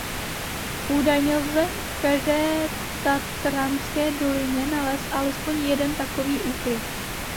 Údajně lze v každé tatranské dolině nalézt alespoň jeden takový úkryt.